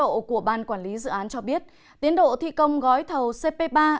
báo cáo tiến độ của ban quản lý dự án cho biết tiến độ thi công gói thầu cp ba